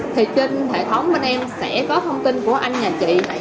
thì trên hệ thống bên em sẽ có thông tin của anh nhà chị